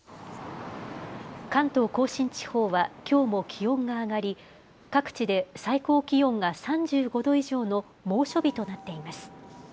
関東甲信地方はきょうも気温が上がり各地で最高気温が３５度以上の猛暑日となっています。